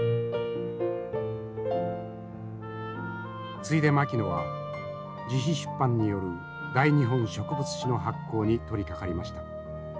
次いで牧野は自費出版による「大日本植物志」の発行に取りかかりました。